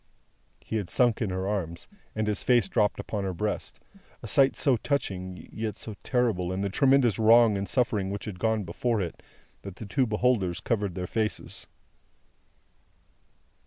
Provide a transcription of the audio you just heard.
He had sunk in her arms, and his face dropped on her breast: a sight so touching, yet so terrible in the tremendous wrong and suffering which had gone before it, that the two beholders covered their faces.